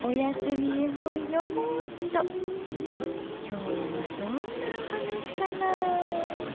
きょうはどんなおはなしかな？